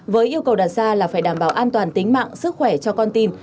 với yêu cầu đặt ra là phải đảm bảo an toàn tính mạng sức khỏe cho con tim